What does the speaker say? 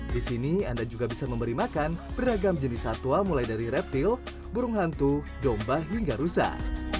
di sini anda juga bisa memberi makan beragam jenis satwa mulai dari reptil burung hantu domba hingga rusak